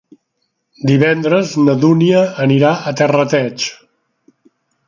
Divendres na Dúnia anirà a Terrateig.